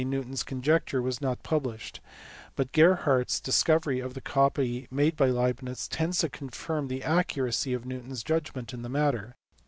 365 Newton s conjecture was not published ; but Gerhardt s dis covery of the copy made by Leibnitz tends to confirm the accuracy of Newton s judgment in the matter.